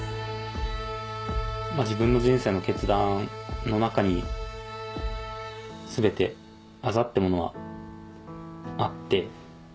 自分の人生の決断の中に全てあざっていうものはあって。